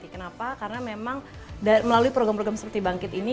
kenapa karena memang melalui program program seperti bangkit ini